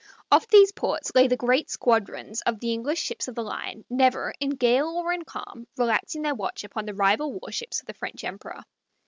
Off these ports lay the great squadrons of the English ships of the line, never, in gale or in calm, relaxing their watch upon the rival war ships of the French emperor.